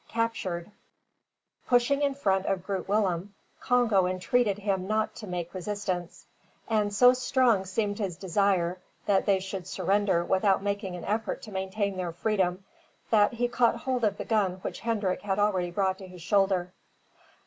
CAPTURED. Pushing in front of Groot Willem, Congo entreated him not to make resistance; and so strong seemed his desire that they should surrender without making an effort to maintain their freedom, that he caught hold of the gun which Hendrik had already brought to his shoulder.